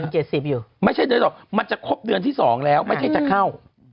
ยัง๗๐อยู่ไม่ใช่เดือนที่๒มันจะครบเดือนที่๒แล้วไม่ใช่จะเข้า